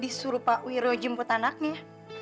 disuruh pak wiro jemput anaknya